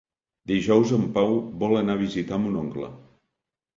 Dijous en Pau vol anar a visitar mon oncle.